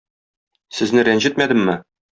Сезне рәнҗетмәдемме?